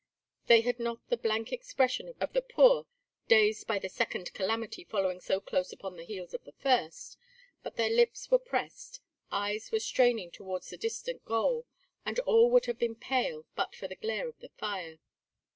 They had not the blank expression of the poor, dazed by the second calamity following so close upon the heels of the first, but their lips were pressed, eyes were straining towards the distant goal, and all would have been pale but for the glare of the fire.